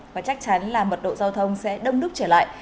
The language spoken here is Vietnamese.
và chắc chắn là mật độ giao thông sẽ đông đúc trở lại